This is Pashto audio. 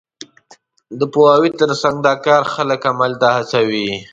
د پوهاوي تر څنګ، دا کار خلک عمل ته هڅوي.